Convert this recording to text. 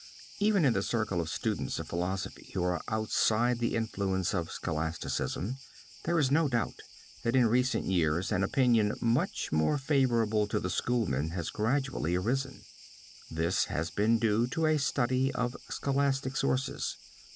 Even in the circle of students of philosophy who are outside the influence of scholasticism, there is no doubt that in recent years an opinion much more favorable to the Schoolmen has gradually arisen. This has been due to a study of scholastic sources.